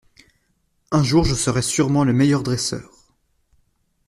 Un jour je serai surement le meilleur dresseur.